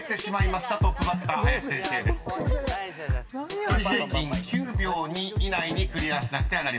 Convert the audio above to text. ［１人平均９秒２以内にクリアしなくてはなりません］